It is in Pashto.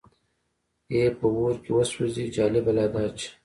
یې په اور کې وسوځي، جالبه لا دا چې.